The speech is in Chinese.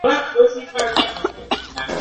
自由女神像就位于国家自由纪念区之内。